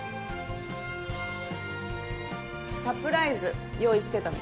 サプライズ用意してたの。